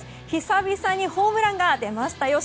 久々にホームランが出ましたよ。